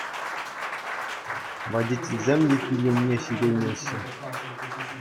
Водительсем те кил умне ҫитеймеҫҫӗ.